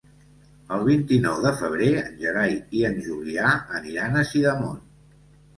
El vint-i-nou de febrer en Gerai i en Julià aniran a Sidamon.